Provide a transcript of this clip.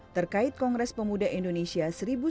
terkait kongres pemuda indonesia